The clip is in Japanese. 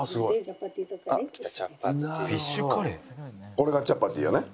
これがチャパティやね。